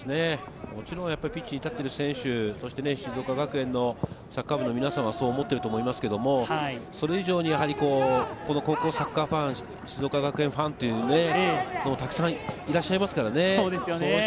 もちろんピッチに立っている選手、静岡学園のサッカー部の皆さんはそう思っていると思いますけど、それ以上にその高校サッカーファン、静岡学園ファンというのが、たくさんいらっしゃいますからね。